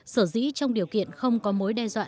sở dĩ trong điều kiện không có mối đe dọa